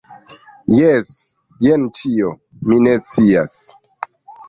Jes. Jen ĉio. Mi ne scias!